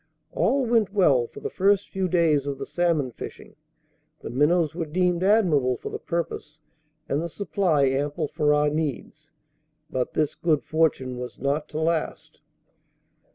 All went well for the first few days of the salmon fishing; the minnows were deemed admirable for the purpose, and the supply ample for our needs; but this good fortune was not to last.